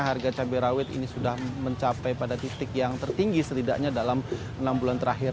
harga cabai rawit ini sudah mencapai pada titik yang tertinggi setidaknya dalam enam bulan terakhir